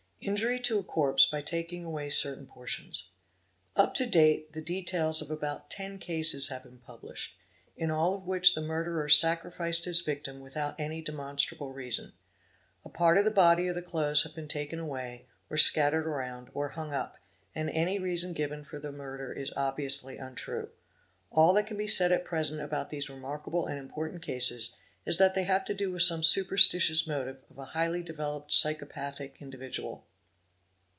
Injury to a corpse by taking away certain portions. Up to date the details of about ten cases "2 have been published, in all of which the murderer sacrificed his victim without any demonstrable reason. A pé : of the body or the clothes have been taken away, or scattered around, ol hung up; and any reason given for the murder is obviously untrue. A that can be said at present about these remarkable and important cases 1 that they have to do with some superstitious motive of a highly developet psychopathic individual.